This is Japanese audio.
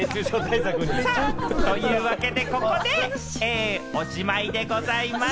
というわけで、ここでおしまいでございます。